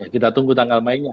kita tunggu tanggal mainnya